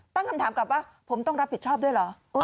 ตั้งคำถามกลับว่าผมต้องรับผิดชอบด้วยเหรอ